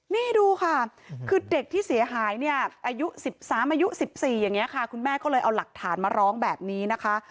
นี่ดูค่ะคือเด็กที่เสียหายเนี่ยอายุ๑๓อายุ๑๔อย่างนี้ค่ะคุณแม่ก็เลยเอาหลักฐานมาร้องแบบนี้นะคะ